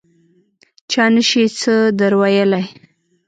چا نه شي څه در ویلای.